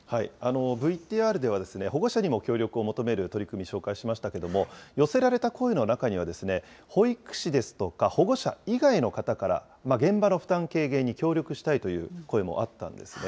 ＶＴＲでは保護者にも協力を求める取り組み、紹介しましたけれども、寄せられた声の中には、保育士ですとか保護者以外の方から、現場の負担軽減に協力したいという声もあったんですね。